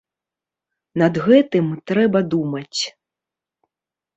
Над гэтым трэба думаць.